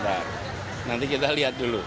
nanti kita lihat dulu